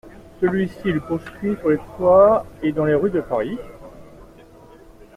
Celui-ci le poursuit sur les toits et dans les rues de Paris.